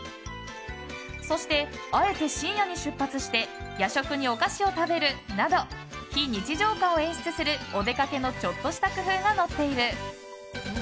そして、あえて深夜に出発して夜食にお菓子を食べるなど非日常感を演出するお出かけのちょっとした工夫が載っている。